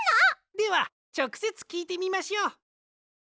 ではちょくせつきいてみましょう。